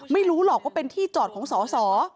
ไม่รู้หรอกว่าเป็นที่จอดของสอสอ